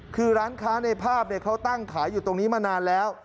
คือร้านค้าในภาพเขาตั้งขายอยู่ตรงนี้มานานแล้ว